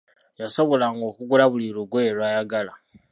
Yasobolanga okugula buli lugoye lw'ayagala.